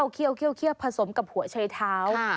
เคี่ยวผสมกับหัวชัยเท้า